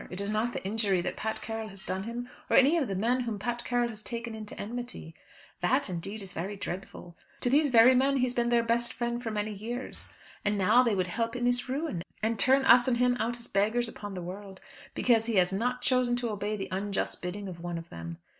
It is not the injury that Pat Carroll has done him, or any of the men whom Pat Carroll has talked into enmity. That, indeed, is very dreadful. To these very men he has been their best friend for many years. And now they would help in his ruin, and turn us and him out as beggars upon the world, because he has not chosen to obey the unjust bidding of one of them."